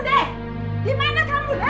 dek kita keluar kamu dek